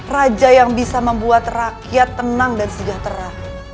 raja yang bisa membuat rakyat tenang dan sejahtera